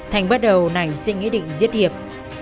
thanh bắt đầu nảy sinh ý định giết hiệp